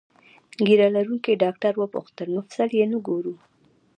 ږیره لرونکي ډاکټر وپوښتل: مفصل یې نه ګورو؟